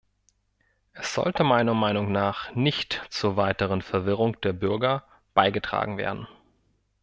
Es sollte meiner Meinung nach nicht zur weiteren Verwirrung der Bürger beigetragen werden.